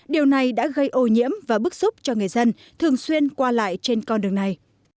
điều này đã gây ô nhiễm và bức xúc cho người dân thường xuyên qua lại trên con đường này